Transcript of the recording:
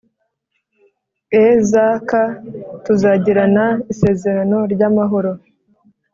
Ezk tuzagirana isezerano ry amahoro